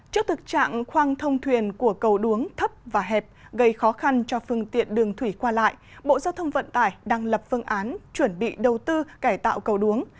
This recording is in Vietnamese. trước thực trạng khoang thông thuyền của cầu đuống thấp và hẹp gây khó khăn cho phương tiện đường thủy qua lại bộ giao thông vận tải đang lập phương án chuẩn bị đầu tư cải tạo cầu đuống